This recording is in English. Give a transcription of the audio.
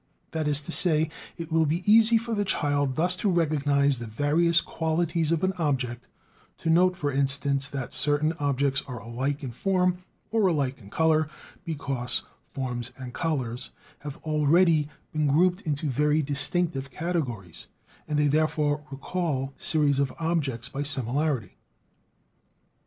That is to say, it will be easy for the child thus to recognize the various qualities of an object, to note, for instance, that certain objects are alike in form, or alike in color; because "forms" and "colors" have already been grouped into very distinctive categories, and they therefore recall series of objects by similarity.